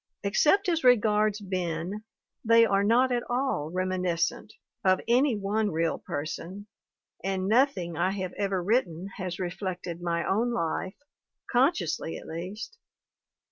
Except as regards Ben, they are not at all reminiscent of any one real person, and nothing I have ever writ ten has reflected my own life, consciously at least.